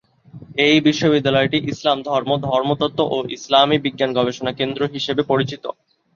এই বিশ্ববিদ্যালয়টি ইসলাম ধর্ম, ধর্মতত্ত্ব ও ইসলামী বিজ্ঞান গবেষণা কেন্দ্রে হিসেবে পরিচিত।